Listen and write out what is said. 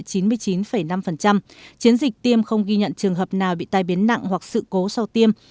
chiến dịch tiêm không ghi nhận trường hợp nào bị tai biến nặng hoặc sự cố sau tiêm